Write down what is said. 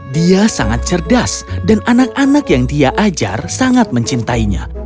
dia sangat cerdas dan anak anak yang dia ajar sangat mencintainya